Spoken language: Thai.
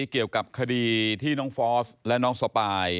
เกี่ยวกับคดีที่น้องฟอสและน้องสปาย